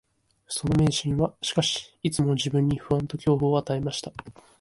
その迷信は、しかし、いつも自分に不安と恐怖を与えました